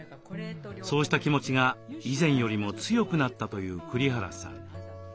そうした気持ちが以前よりも強くなったという栗原さん。